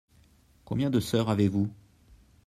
Combien de sœurs avez-vous ?